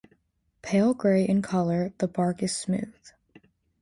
Pale-grey in color, the bark is smooth.